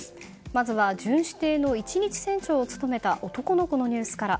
まずは巡視艇の１日船長を務めた男の子のニュースから。